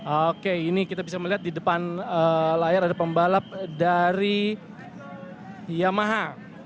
oke ini kita bisa melihat di depan layar ada pembalap dari yamaha